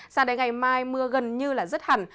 ra đến ngày mai mưa gần như rất hẳn